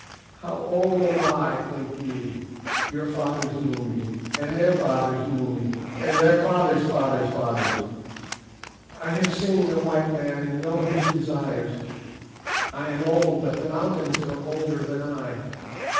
How old am I, think ye? Your fathers knew me, and their fathers knew me, and their fathers' fathers' fathers. I have seen the white man and know his desires. I am old, but the mountains are older than I.